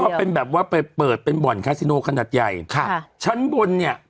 แล้วก็เป็นแบบว่าไปเปิดเป็นบ่อนคาซิโนขนาดใหญ่